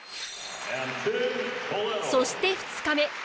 そして２日目。